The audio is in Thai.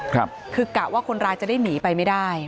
คือกะว่าคนร้ายจะได้หนีไปไม่ได้